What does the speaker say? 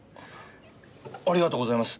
ありがとうございます。